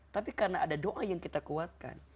tapi karena ada doa yang kita kuatkan